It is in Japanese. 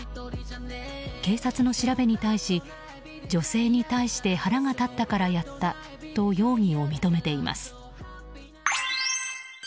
警察の調べに対し女性に対して腹が立ったからやったと容疑を認めています。